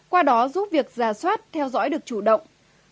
qua đó giúp việc giả soát theo dõi được chủ động